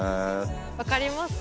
分かりますか？